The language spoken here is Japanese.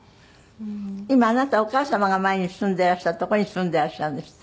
今あなたお母様が前に住んでいらした所に住んでいらっしゃるんですって？